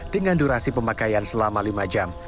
dengan durasi pemakaian selama lima jam